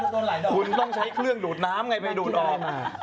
คุณต้องใช้เครื่องดูดน้ำไงไปดูดอม